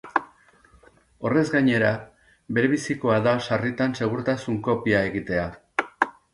Horrez gainera, berebizikoa da sarritan segurtasun kopia egitea.